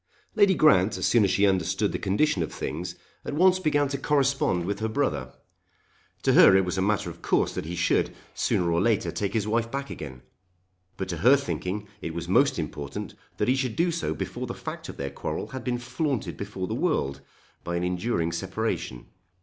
Lady Grant as soon as she understood the condition of things at once began to correspond with her brother. To her it was a matter of course that he should, sooner or later, take his wife back again. But to her thinking it was most important that he should do so before the fact of their quarrel had been flaunted before the world by an enduring separation.